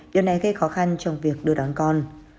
điều này gây khó khăn trong việc đưa đón con